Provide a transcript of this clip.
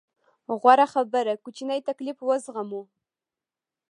غوره خبره کوچنی تکليف وزغمو.